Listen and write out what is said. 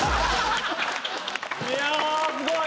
いやすごい！